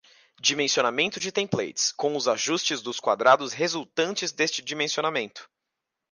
Dimensionamento de templates, com os ajustes dos quadrados resultantes deste dimensionamento.